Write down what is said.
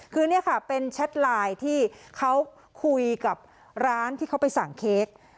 คือนี่ค่ะเป็นแชทไลน์ที่เขาคุยกับร้านที่เขาไปสั่งเค้ก